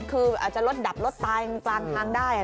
คืออาจจะรถดับรถตายกลางทางได้